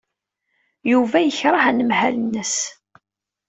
Yuba yekṛeh anemhal-nnes.